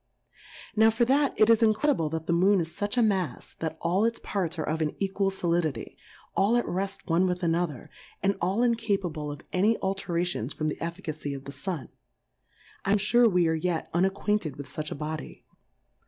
Now, for that it is incredible that the Moon is fuch a Mafs, that all its parts are of an equal Solidity, all at reft one with another, and all incapable of any alterations from the eiBcacy of the Sun : I am fure we are yet unacquainted with fuch a Body